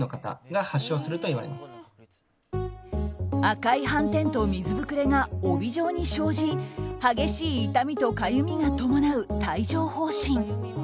赤い斑点と水ぶくれが帯状に生じ激しい痛みとかゆみが伴う帯状疱疹。